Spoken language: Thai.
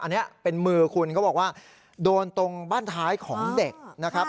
อันนี้เป็นมือคุณเขาบอกว่าโดนตรงบ้านท้ายของเด็กนะครับ